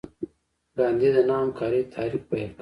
ګاندي د نه همکارۍ تحریک پیل کړ.